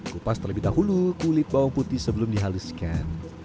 kupas terlebih dahulu kulit bawang putih sebelum dihaluskan